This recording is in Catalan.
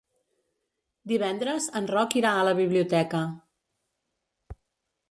Divendres en Roc irà a la biblioteca.